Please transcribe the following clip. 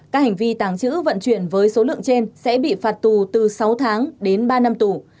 các hành vi tàng trữ vận chuyển với số lượng trên sẽ bị phạt tù từ sáu tháng đến ba năm tù